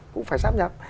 cũng phải sát nhập